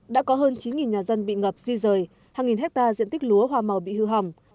đã có hơn chín nhà dân bị ngập di rời hàng nghìn hectare diện tích lúa hoa màu bị hư hỏng